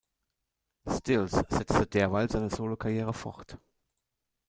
Stills setzte derweil seine Solokarriere fort.